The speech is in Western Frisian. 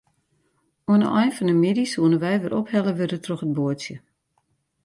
Oan 'e ein fan 'e middei soene wy wer ophelle wurde troch it boatsje.